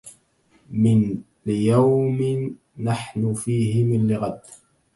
من ليوم نحن فيه من لغد